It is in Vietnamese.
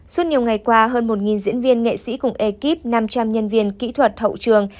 suốt nhiều ngày qua hơn một diễn viên nghệ sĩ cùng ekip năm trăm linh nhân viên kỹ thuật hậu trường